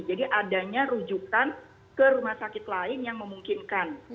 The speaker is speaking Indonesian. jadi adanya rujukan ke rumah sakit lain yang memungkinkan